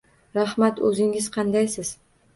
Rahmat, o'zingiz qandaysiz?